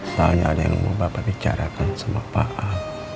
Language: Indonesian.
soalnya ada yang mau bapak bicarakan sama pak a